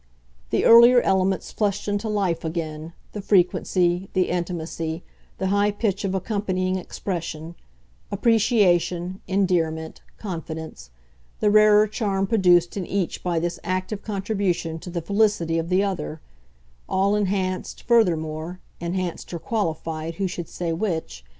The earlier elements flushed into life again, the frequency, the intimacy, the high pitch of accompanying expression appreciation, endearment, confidence; the rarer charm produced in each by this active contribution to the felicity of the other: all enhanced, furthermore enhanced or qualified, who should say which?